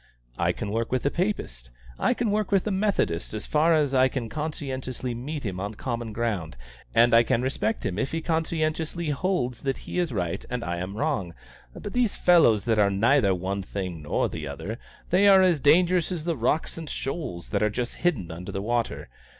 I can work with a Papist; I can work with a Methodist, as far as I can conscientiously meet him on common ground, and I can respect him if he conscientiously holds that he is right and I am wrong: but these fellows that are neither one thing nor the other they are as dangerous as rocks and shoals that are just hidden under the water.